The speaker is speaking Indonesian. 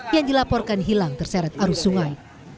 yang dilaporkan hilang terseret arus sungai